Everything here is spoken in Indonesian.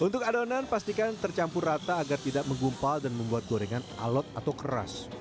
untuk adonan pastikan tercampur rata agar tidak menggumpal dan membuat gorengan alot atau keras